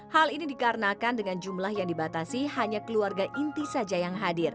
hal ini dikarenakan dengan jumlah yang dibatasi hanya keluarga inti saja yang hadir